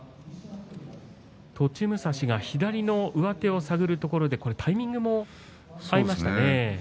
栃武蔵が左の上手を探るところでタイミングが合いましたね。